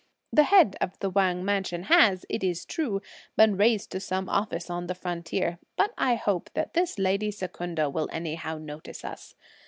The head of the Wang mansion has, it is true, been raised to some office on the frontier, but I hope that this lady Secunda will anyhow notice us.